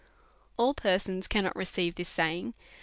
Ail i)ersons cannot receive this saying.